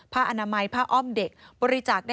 ผ้าอนามัยผ้าอ้อมเด็ก